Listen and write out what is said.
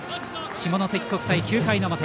下関国際、９回の表。